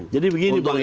jadi begini pak egy